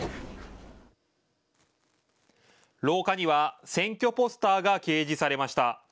廊下には選挙ポスターが掲示されました。